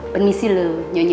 permisi loh nyonya